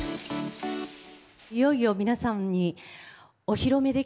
いよいよ皆さんにお披露目で